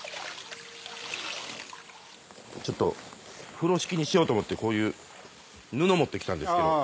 風呂敷にしようと思ってこういう布持ってきたんですけど。